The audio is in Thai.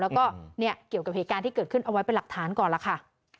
แล้วก็เนี่ยเกี่ยวกับเหตุการณ์ที่เกิดขึ้นเอาไว้เป็นหลักฐานก่อนล่ะค่ะ